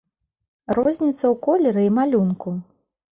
Розніца ў колеры і малюнку.